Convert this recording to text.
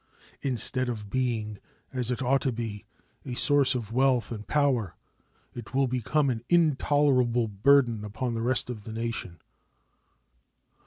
Instead of being, as it ought to be, a source of wealth and power, it will become an intolerable burden upon the rest of the nation.